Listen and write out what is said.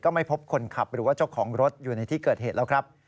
ไม่พบคนขับหรือว่าเจ้าของรถอยู่ในที่เกิดเหตุแล้วครับ